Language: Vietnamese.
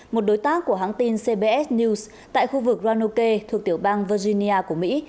một đối tác của hãng tin cbs news tại khu vực ranuke thuộc tiểu bang virginia của mỹ